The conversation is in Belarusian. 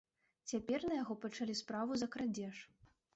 Цяпер на яго пачалі справу за крадзеж.